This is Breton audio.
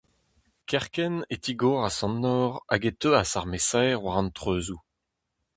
Kerkent e tigoras an nor hag e teuas ar mesaer war an treuzoù.